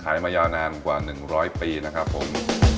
มายาวนานกว่า๑๐๐ปีนะครับผม